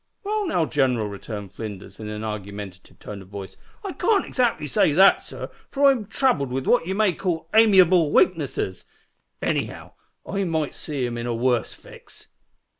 "Well now, gineral," returned Flinders, in an argumentative tone of voice, "I can't exactly say that, sor, for I'm troubled with what ye may call amiable weaknesses. Anyhow, I might see 'im in a worse fix."